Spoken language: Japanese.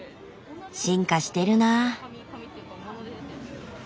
進化してるなぁ。